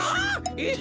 えっ？